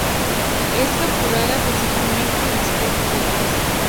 Es capturada principalmente en las costas de Galicia.